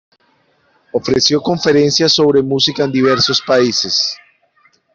Ofreció conferencias sobre música en diversos países.